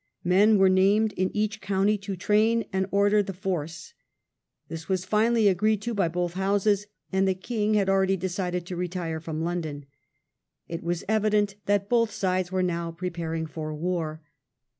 Men were named in each county to train and order the force. This was finally agreed to by both Houses, and the king had already decided to retire from London. It was evident that both sides were now preparing for war.